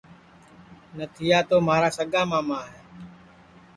نتھیا تو مھارا سگا ماما ہے